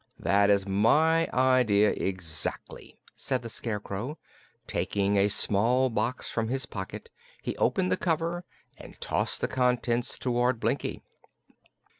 "That is my idea, exactly," said the Scarecrow, and taking a small box from his pocket he opened the cover and tossed the contents toward Blinkie.